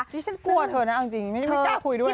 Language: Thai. นี่ฉันกลัวเธอน่ะจริงไม่ได้พูดด้วยนะ